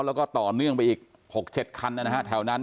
แล้วก็ต่อเนื่องไปอีก๖๗คันนะฮะแถวนั้น